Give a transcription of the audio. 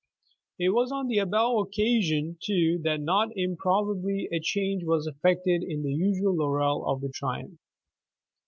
It was on the above occasion, too, that not improbably a change was effected in the usual laurel of the triumph.